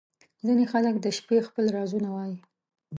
• ځینې خلک د شپې خپل رازونه وایې.